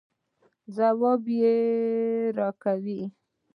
ځواب به یې راکوئ.